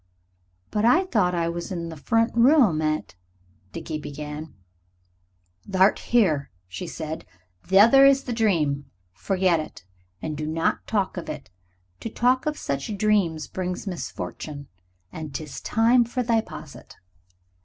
"But I thought I was in the front room at " Dickie began. "Thou'rt here," said she; "the other is the dream. Forget it. And do not talk of it. To talk of such dreams brings misfortune. And 'tis time for thy posset."